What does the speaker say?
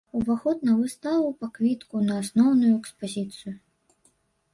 Уваход на выставу па квітку на асноўную экспазіцыю.